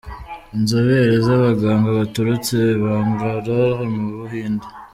Inzobere z’abaganga baturutse Bangalore mu Buhinde.